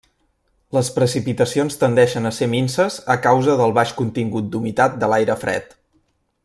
Les precipitacions tendeixen a ser minses a causa del baix contingut d'humitat de l'aire fred.